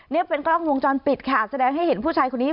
นี่เป็นกล้องวงจรปิดค่ะแสดงให้เห็นผู้ชายคนนี้